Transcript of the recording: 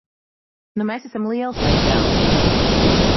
Nu mēs esam lieli speciālisti.